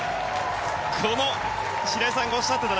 白井さんがおっしゃっていた